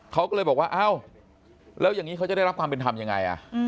เขาก็เลยบอกว่าอ้าวแล้วอย่างนี้เขาจะได้รับความเป็นธรรมยังไง